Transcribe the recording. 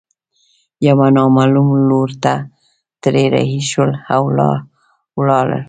يوه نامعلوم لور ته ترې رهي شول او ولاړل.